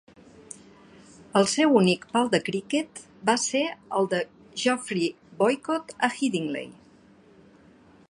El seu únic pal de criquet va ser el de Geoffrey Boycott a Headingley.